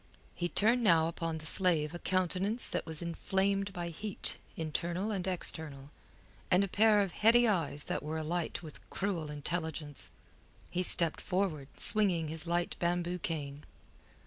He turned now upon the slave a countenance that was inflamed by heat internal and external, and a pair of heady eyes that were alight with cruel intelligence. He stepped forward swinging his light bamboo cane.